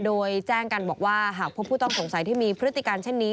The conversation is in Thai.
โดยแจ้งกันบอกว่าหากพบผู้ต้องสงสัยที่มีพฤติการเช่นนี้